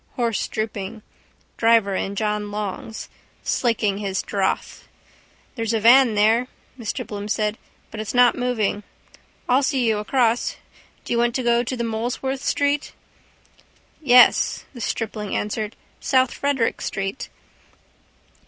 Horse drooping. Driver in John Long's. Slaking his drouth. —There's a van there, Mr Bloom said, but it's not moving. I'll see you across. Do you want to go to Molesworth street? —Yes, the stripling answered. South Frederick street.